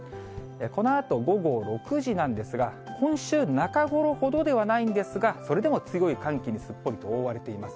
このあと午後６時なんですが、今週中頃ほどではないんですが、それでも強い寒気にすっぽり覆われています。